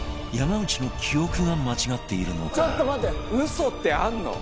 「嘘ってあるの？」